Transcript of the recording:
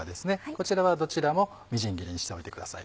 こちらはどちらもみじん切りにしておいてください。